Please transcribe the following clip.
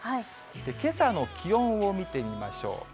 けさの気温を見てみましょう。